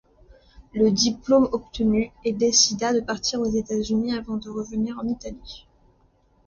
Le diplôme obtenu il décida de partir aux États-Unis avant de revenir en Italie.